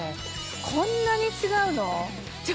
こんなに違うの？